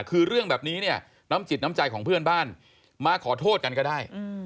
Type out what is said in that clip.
คือเรื่องแบบนี้เนี่ยน้ำจิตน้ำใจของเพื่อนบ้านมาขอโทษกันก็ได้